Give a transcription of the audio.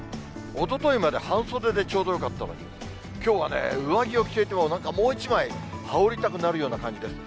おとといまで半袖でちょうどよかったのに、きょうはね、上着を着ていても、なんかもう１枚羽織りたくなるような感じです。